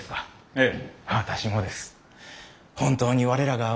ええ。